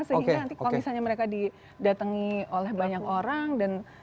sehingga nanti kalau misalnya mereka didatangi oleh banyak orang dan